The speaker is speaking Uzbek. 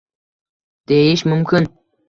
deyish mumkin